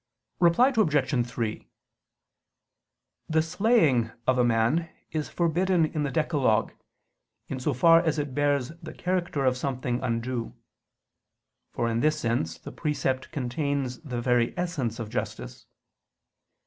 Reply Obj. 3: The slaying of a man is forbidden in the decalogue, in so far as it bears the character of something undue: for in this sense the precept contains the very essence of justice.